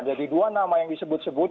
jadi dua nama yang disebut sebut